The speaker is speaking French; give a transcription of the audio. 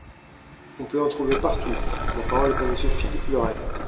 On peut en trouver partout ! La parole est à Monsieur Philippe Le Ray.